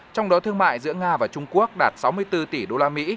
trong đó thương mại giữa nga và trung quốc đạt sáu mươi bốn tỷ usd